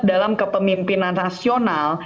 dalam kepemimpinan nasional